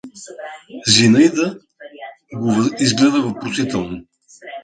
Зинаида го изгледа въпросително.